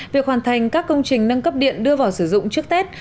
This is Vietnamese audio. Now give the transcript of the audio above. việc hoàn thành các công trình nâng cấp điện đưa vào sử dụng trước tết